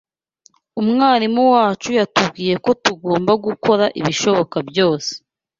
Umwarimu wacu yatubwiye ko tugomba gukora ibishoboka byose.